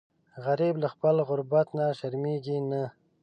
غریب له خپل غربت نه شرمیږي نه